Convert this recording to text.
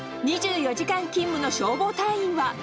２４時間勤務の消防隊員は。